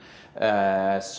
jadi untuk warga denmark